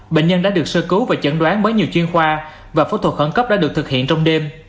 bệnh nhân đã được sơ cứu và chẩn đoán bởi nhiều chuyên khoa và phẫu thuật khẩn cấp đã được thực hiện trong đêm